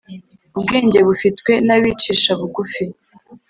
ubwenge bufitwe n’abicisha bugufi